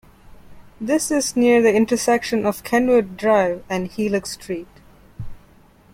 This is near the intersection of Kenwood Drive and Helix Street.